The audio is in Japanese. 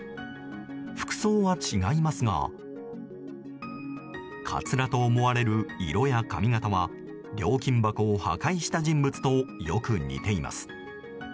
服装は違いますがカツラと思われる色や髪形は料金箱を破壊した人物とよく似ています。